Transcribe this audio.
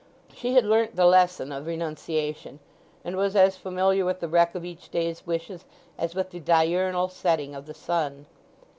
She had learnt the lesson of renunciation, and was as familiar with the wreck of each day's wishes as with the diurnal setting of the sun.